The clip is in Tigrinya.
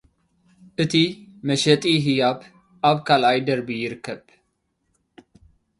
እቲ መሸጢ ህያብ ኣብ ካልኣይ ደርቢ ይርከብ።